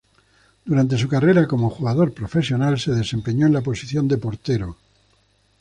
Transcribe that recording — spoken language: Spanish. Durante su carrera como jugador profesional se desempeñó en la posición de portero.